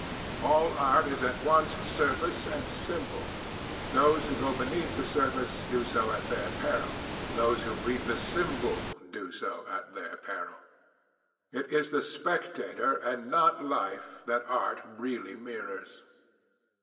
All art is at once surface and symbol. Those who go beneath the surface do so at their peril. Those who read the symbol do so at their peril. It is the spectator, and not life, that art really mirrors.